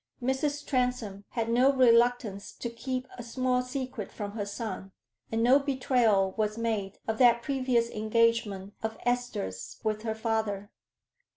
Mrs. Transome had no reluctance to keep a small secret from her son, and no betrayal was made of that previous "engagement" of Esther's with her father.